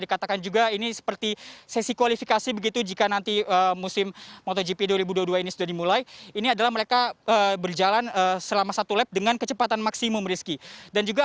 dan di hari kedua